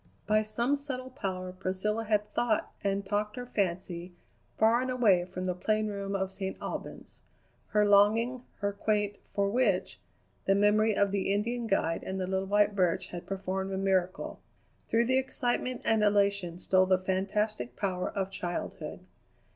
By some subtle power Priscilla had thought and talked her fancy far and away from the plain room of St. Albans. Her longing, her quaint "for which?" the memory of the Indian guide and the little white birch had performed a miracle. Through the excitement and elation stole the fantastic power of childhood.